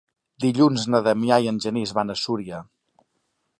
Dilluns na Damià i en Genís van a Súria.